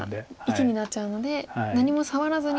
生きになっちゃうので何も触らずにコウに。